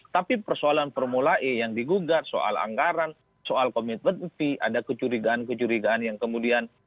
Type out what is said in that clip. tapi persoalan formula e yang digugat soal anggaran soal komitmen fee ada kecurigaan kecurigaan yang kemudian